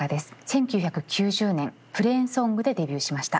１９９０年「プレーンソング」でデビューしました。